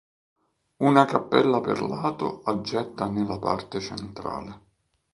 Una cappella per lato aggetta nella parte centrale.